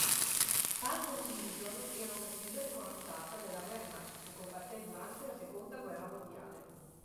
Panzer-Division era una divisione corazzata della Wehrmacht che combatté durante la seconda guerra mondiale.